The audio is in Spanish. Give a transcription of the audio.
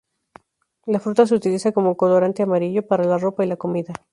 La fruta se utiliza como colorante amarillo, para la ropa y la comida.